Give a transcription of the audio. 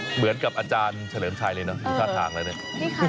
เหลือกับอาจารย์เฉลิมชัยเลยนะภาษาภาคเลยนิดนึง